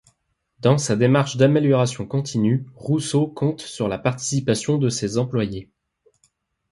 Dans sa démarche d'amélioration continue, Rousseau compte sur la participation de ses employés.